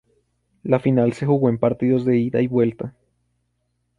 La final se jugó en partidos de ida y vuelta.